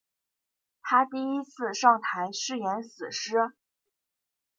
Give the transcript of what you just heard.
她第一次上台是演死尸。